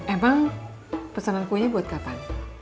emang pesanan kuenya buat kapan